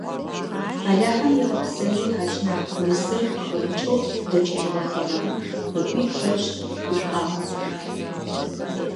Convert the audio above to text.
«Алахьэм егъэпсэуи ащ нахь бырысыр къыхэмыкӀэу дэкӀыжьыгъэхэмэ», - ыӀуи Лъэпшъ гушӀуагъэ.